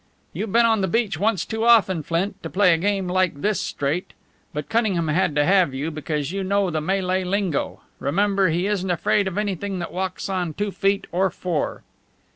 "You've been on the beach once too often, Flint, to play a game like this straight. But Cunningham had to have you, because you know the Malay lingo. Remember, he isn't afraid of anything that walks on two feet or four."